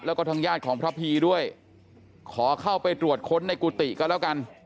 แล้วก็ทางญาติของพระพีด้วยขอเข้าไปตรวจค้นในกุฏิก็แล้วกัน